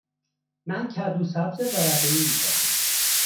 من کدو سبز ورقه ای می خواهم.